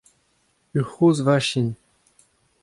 ur c'hozh vachin.